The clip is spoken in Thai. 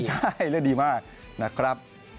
ใช่เรื่องดีมากนะครับ